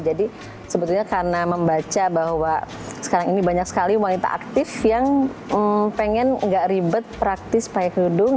jadi sebetulnya karena membaca bahwa sekarang ini banyak sekali wanita aktif yang pengen enggak ribet praktis pakai kerudung